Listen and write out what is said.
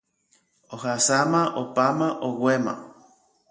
Ohasáma, opáma, oguéma.